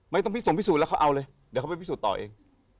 ไม่ต้องพิสงพิสูจนแล้วเขาเอาเลยเดี๋ยวเขาไปพิสูจน์ต่อเอง